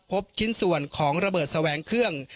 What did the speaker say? พบชิ้นส่วนของระเบิดแสวงเครื่อง